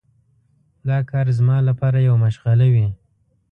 دا کار زما لپاره یوه مشغله وي.